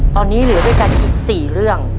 ตอนนี้เหลือด้วยกันอีก๔เรื่อง